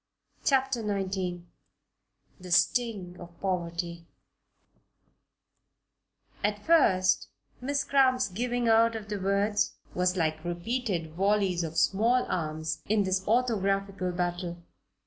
CHAPTER XIX THE STING OF POVERTY At first Miss Cramp's "giving out" of the words was like repeated volleys of small arms in this orthographical battle.